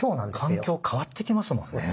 環境変わっていきますもんね。